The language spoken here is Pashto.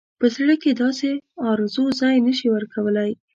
په زړه کې داسې آرزو ځای نه شي ورکولای.